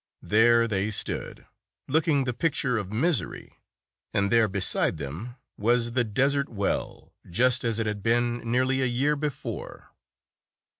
There they stood, looking the picture of misery, and there beside them was the des 185 ert well, just as it had been nearly a year before.